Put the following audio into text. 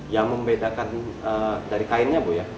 yang membedakan dari kainnya bu ya